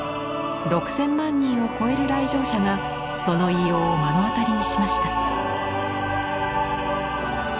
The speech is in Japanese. ６，０００万人を超える来場者がその威容を目の当たりにしました。